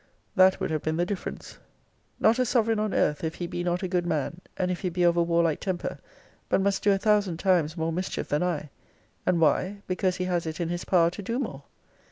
That would have been the difference. Not a sovereign on earth, if he be not a good man, and if he be of a warlike temper, but must do a thousand times more mischief than I. And why? Because he has it in his power to do more.